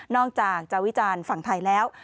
อกจากจะวิจารณ์ฝั่งไทยแล้ว